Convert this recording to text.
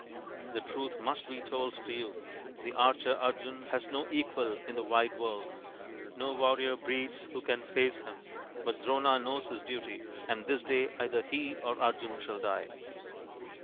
The truth must be told to you the archer Arjun has no equal in the wide world ; no warrior breathes who can face him. But Drona knows his duty, and this day either he or Arjun shall die."